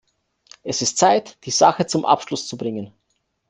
Es ist Zeit, die Sache zum Abschluss zu bringen.